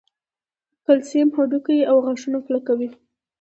کلسیم هډوکي او غاښونه کلکوي